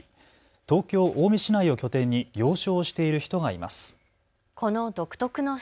東京青梅市内を拠点に行商をしている人がいます。